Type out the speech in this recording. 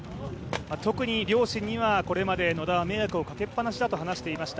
特に両親にはこれまで野田は迷惑をかけっぱなしだと話していました。